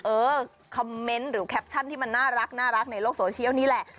เออคอมเมนต์หรือแคปชั่นที่มันน่ารักในโลกโซเชียลนี่แหละ